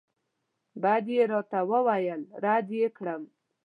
بد یې راته وویل رد یې کړم.